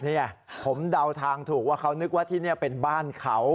นี่ไงผมเดาทางถูกว่าเขานึกว่าที่นี่เป็นบ้านเขา